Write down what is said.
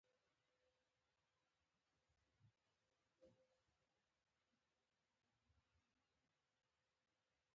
همغه هډوکى بېرته خپلې راوتلې څنډې خوري.